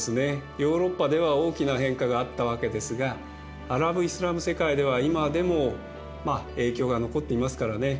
ヨーロッパでは大きな変化があったわけですがアラブ・イスラム世界では今でもまあ影響が残っていますからね。